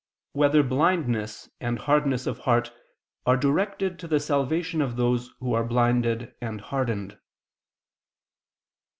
4] Whether Blindness and Hardness of Heart Are Directed to the Salvation of Those Who Are Blinded and Hardened?